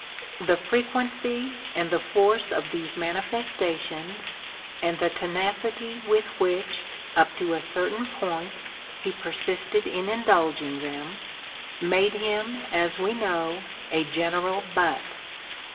The frequency and the force of these manifestations, and the tenacity with which, up to a certain point, he persisted in indulging in them, made him, as we know, a general butt.